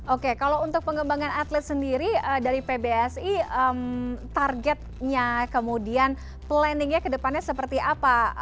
oke kalau untuk pengembangan atlet sendiri dari pbsi targetnya kemudian planningnya ke depannya seperti apa